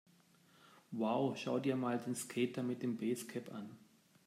Wow, schau dir mal den Skater mit dem Basecap an!